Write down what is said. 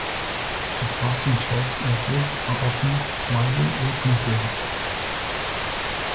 His posts and short essays are often and widely reprinted.